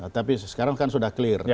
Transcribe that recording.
tapi sekarang kan sudah clear